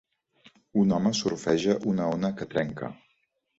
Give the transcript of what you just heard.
Un home surfeja una ona que trenca.